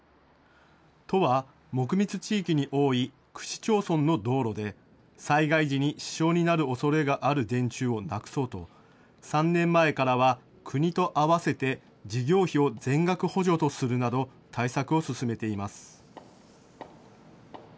都は、木密地域に多い区市町村の道路で、災害時に支障になるおそれがある電柱をなくそうと、３年前からは、国とあわせて事業費を全額補助とするなど、対策を進めています。